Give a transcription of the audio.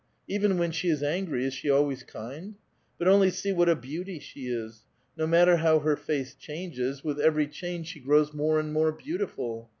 even when she is angry is she always kind ? But only see what a beauty she is I no matter how her face changes, with every change 104 A VITAL QUESTION. she ^ows more and more beautiful.